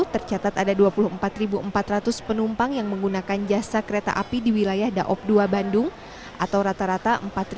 tercatat ada dua puluh empat empat ratus penumpang yang menggunakan jasa kereta api di wilayah daob dua bandung atau rata rata